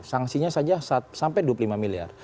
sanksinya saja sampai dua puluh lima miliar